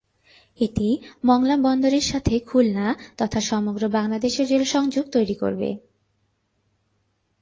এটি মংলা বন্দরের সাথে খুলনা তথা সমগ্র বাংলাদেশের রেল সংযোগ তৈরী করবে।